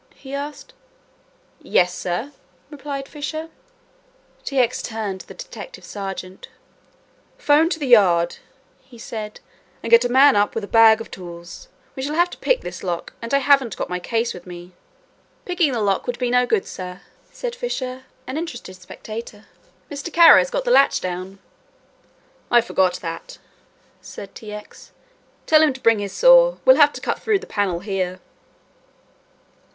he asked. "Yes, sir," replied Fisher. T. X. turned to the detective sergeant. "'Phone to the Yard," he said, "and get a man up with a bag of tools. We shall have to pick this lock and I haven't got my case with me." "Picking the lock would be no good, sir," said Fisher, an interested spectator, "Mr. Kara's got the latch down." "I forgot that," said T. X. "Tell him to bring his saw, we'll have to cut through the panel here."